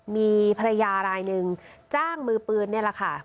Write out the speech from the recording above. มีภรรยารายหนึ่งจ้างมือปืนนี่แหละค่ะ